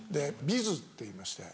ビズっていいまして。